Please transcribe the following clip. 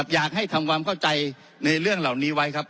อยากให้ทำความเข้าใจในเรื่องเหล่านี้ไว้ครับ